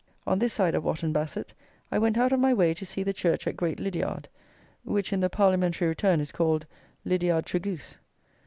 On this side of Wotton Basset I went out of my way to see the church at Great Lyddiard, which in the parliamentary return is called Lyddiard Tregoose.